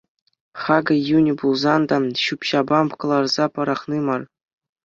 Хакӗ йӳнӗ пулсан та ҫӳп-ҫапа кӑларса пӑрахни мар.